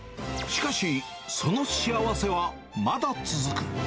しかし、その幸せはまだ続く。